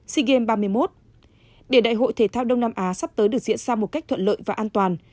sea games ba mươi một để đại hội thể thao đông nam á sắp tới được diễn ra một cách thuận lợi và an toàn